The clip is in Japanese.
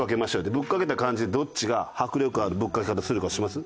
ぶっかけた感じでどっちが迫力あるぶっかけ方するかします？